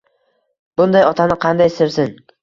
Bunday otani qanday sevsin